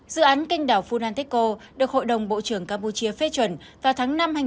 dự án kênh đảo funantico được hội đồng bộ trưởng campuchia phê chuẩn vào tháng năm hai nghìn hai mươi ba